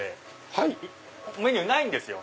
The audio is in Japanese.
はい⁉メニューないんですよ。